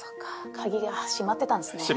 鍵が閉まってたんですねこれ。